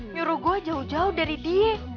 nyuruh gua jauh jauh dari dia